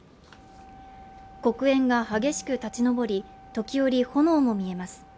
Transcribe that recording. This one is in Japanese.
黒煙が激しく立ち上り時折炎も見えます